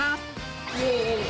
イエーイ。